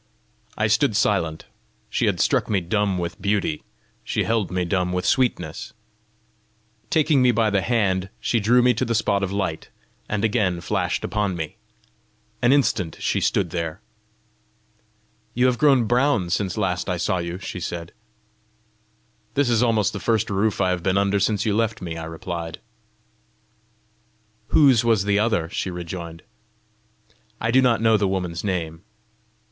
I stood silent: she had struck me dumb with beauty; she held me dumb with sweetness. Taking me by the hand, she drew me to the spot of light, and again flashed upon me. An instant she stood there. "You have grown brown since last I saw you," she said. "This is almost the first roof I have been under since you left me," I replied. "Whose was the other?" she rejoined. "I do not know the woman's name."